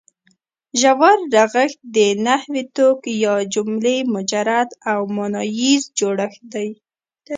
ژور رغښت د نحوي توک یا جملې مجرد او ماناییز جوړښت دی.